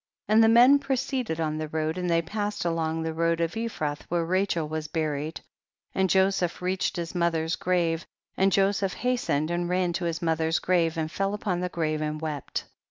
And the men proceeded on the road, and they passed along, the road of Ephrath where Rachel was buried. 30. And Joseph reached his mo ther's grave, and Joseph hastened and ran to his mother's grave, and fell upon the grave and wept.